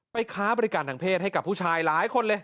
ค้าบริการทางเพศให้กับผู้ชายหลายคนเลย